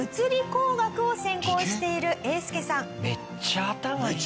めっちゃ頭いいじゃん。